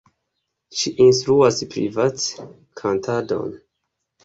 Ŝi instruas private kantadon.